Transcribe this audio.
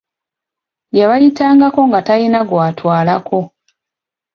Yabayitanganko nga talina gw'atwalako.